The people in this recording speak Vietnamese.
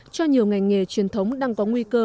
cho nhiều ngành nghề truyền thống đang có nguy cơ